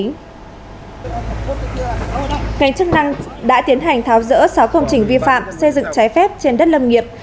ngành chức năng đã tiến hành tháo rỡ sáu công trình vi phạm xây dựng trái phép trên đất lâm nghiệp